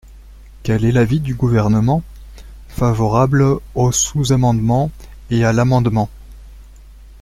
Quel est l’avis du Gouvernement ? Favorable au sous-amendement et à l’amendement.